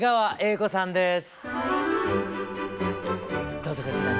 どうぞこちらに。